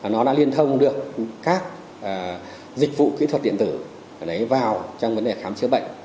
nó đã liên thông được các dịch vụ kỹ thuật điện tử vào trong vấn đề khám chữa bệnh